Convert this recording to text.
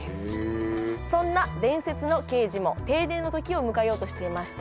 そんな伝説の刑事も定年の時を迎えようとしていました。